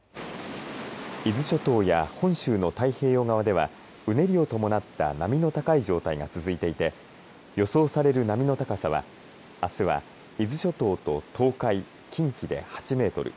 伊豆諸島や本州の太平洋側ではうねりを伴った波の高い状態が続いていて予想される波の高さはあすは伊豆諸島と東海近畿で８メートル